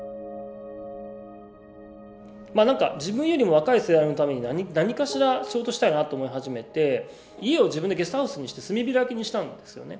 まなんか自分よりも若い世代のために何かしら仕事したいなと思い始めて家を自分でゲストハウスにして住み開きにしたんですよね。